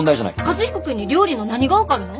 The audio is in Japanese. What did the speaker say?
和彦君に料理の何が分かるの？